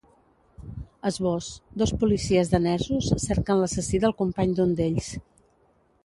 Esbós: Dos policies danesos cerquen l’assassí del company d’un d’ells.